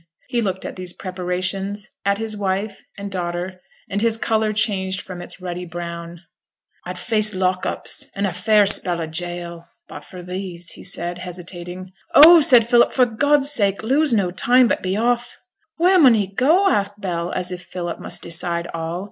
He looked at these preparations, at his wife and daughter, and his colour changed from its ruddy brown. 'A'd face lock ups, an' a fair spell o' jail, but for these,' said he, hesitating. 'Oh!' said Philip, 'for God's sake, lose no time, but be off.' 'Where mun he go?' asked Bell, as if Philip must decide all.